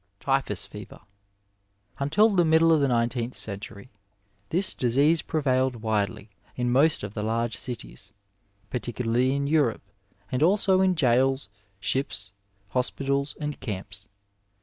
Typhus Fever. — ^Until the middle of the nineteenth cen tury this disease prevailed widely in most of the large cities, particularly m Europe, and abo in jails, ships, hospitals and camps.